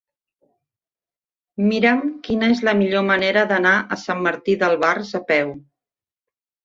Mira'm quina és la millor manera d'anar a Sant Martí d'Albars a peu.